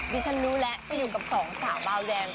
ดิฉันรู้แล้วไปอยู่กับ๒สาวเบาแดง